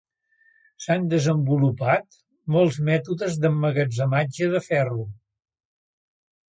S'han desenvolupat, molts mètodes d'emmagatzematge de ferro.